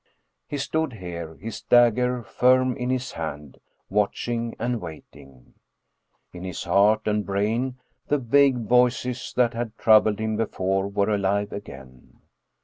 He stood here, his dagger firm in his hand, watching and waiting. In his heart and brain the vague voices that had troubled him before were alive again.